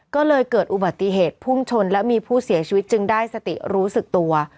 ก็เลยเกิดอุบัติเหตุพุ่งชนและมีผู้เสียชีวิตจึงได้สติรู้สึกตัว